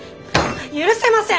許せません！